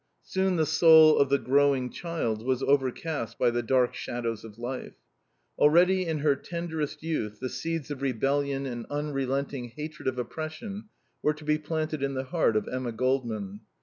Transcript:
Soon the soul of the growing child was overcast by the dark shadows of life. Already in her tenderest youth the seeds of rebellion and unrelenting hatred of oppression were to be planted in the heart of Emma Goldman.